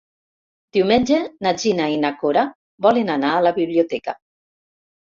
Diumenge na Gina i na Cora volen anar a la biblioteca.